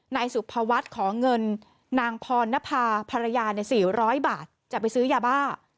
นายสุภวัฒน์ขอเงินนางพรณภาพรยา๔๐๐บาทจะไปซื้อยาบ้า